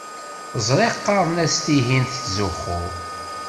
Ẓriɣ qqaren-as tihin tettzuxxu.